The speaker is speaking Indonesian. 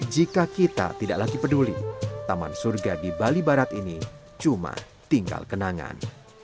jika kita tidak lagi peduli taman surga di bali barat ini cuma tinggal kenangan